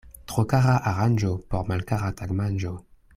Tro kara aranĝo por malkara tagmanĝo.